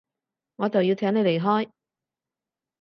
我就要請你離開